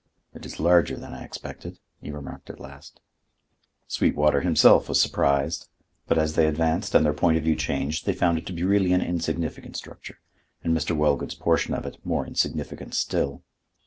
"It is larger than I expected," he remarked at last. Sweetwater himself was surprised, but as they advanced and their point of view changed they found it to be really an insignificant structure, and Mr. Wellgood's portion of it more insignificant still.